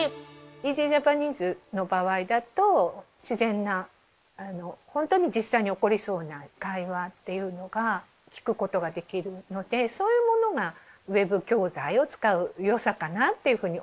「ＥａｓｙＪａｐａｎｅｓｅ」の場合だと自然なほんとに実際に起こりそうな会話っていうのが聞くことができるのでそういうものがウェブ教材を使う良さかなっていうふうに思います。